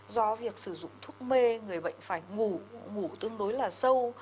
do việc sử dụng thuốc mê người bệnh phải ngủ ngủ tương đối là sâu